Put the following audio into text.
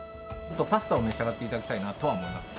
パスタを召し上がって頂きたいなとは思いますね。